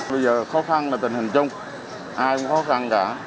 bây giờ khó khăn là tình hình chung ai cũng khó khăn cả